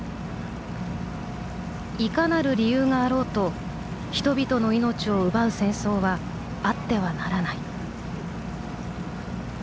「いかなる理由があろうと人々の命を奪う戦争はあってはならない」。